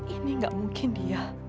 ini gak mungkin dia